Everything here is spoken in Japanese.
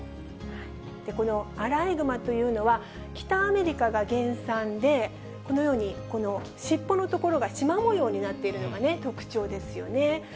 このアライグマというのは、北アメリカが原産で、このように尻尾のところがしま模様になっているのが特徴ですよね。